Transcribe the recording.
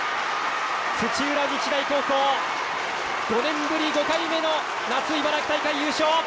土浦日大高校、５年ぶり５回目の夏、茨城大会、優勝！